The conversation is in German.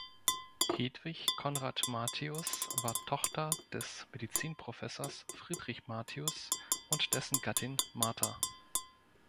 Hedwig Conrad-Martius war Tochter des Medizinprofessors Friedrich Martius und dessen Gattin Martha.